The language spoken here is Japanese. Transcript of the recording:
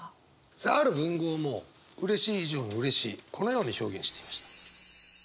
さあある文豪もうれしい以上のうれしいこのように表現していました。